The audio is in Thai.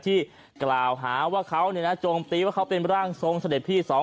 ที่กล่าวหาว่าเขาโจมตีว่าเขาเป็นร่างทรงเสด็จพี่สอง